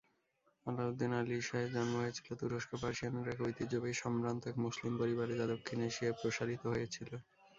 আলাউদ্দীন আলী শাহের জন্ম হয়েছিল তুরস্ক-পার্সিয়ানের এক ঐতিহ্যবাহী সম্ভ্রান্ত এক মুসলিম পরিবারে যা দক্ষিণ এশিয়ায় প্রসারিত হয়েছিল।